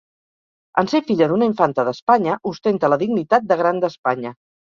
En ser filla d'una infanta d'Espanya, ostenta la dignitat de Gran d'Espanya.